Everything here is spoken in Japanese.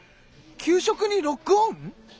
給食にロックオン？